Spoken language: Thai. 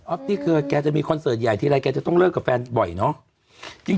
นี่คือแกจะมีคอนเสิร์ตใหญ่ทีไรแกจะต้องเลิกกับแฟนบ่อยเนาะ